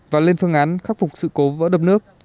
và lên phương án khắc phục sự cố vỡ đập nước